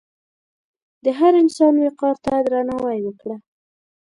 د هر انسان وقار ته درناوی وکړه.